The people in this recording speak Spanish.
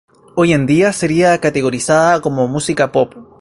Hoy en día seria categorizada como música Pop.